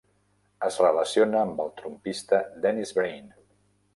Es relaciona amb el trompista Dennis Brain.